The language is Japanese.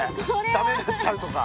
駄目になっちゃうとか。